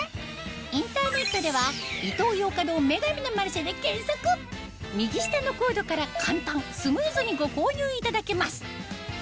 インターネットでは右下のコードから簡単スムーズにご購入いただけます